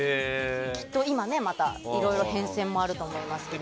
きっと今、いろいろ変遷もあると思いますけど。